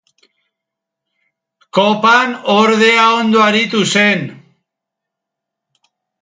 Kopan ordea ondo aritu zen.